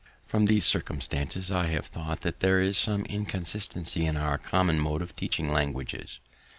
From these circumstances, I have thought that there is some inconsistency in our common mode of teaching languages.